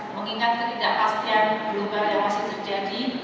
mengingat ketidakpastian global yang masih terjadi